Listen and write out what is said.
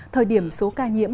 thời điểm số ca nhiễm